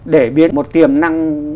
để biến một tiềm năng